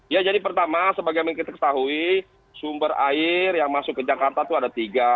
ya jadi pertama sebagai yang kita ketahui sumber air yang masuk ke jakarta itu ada tiga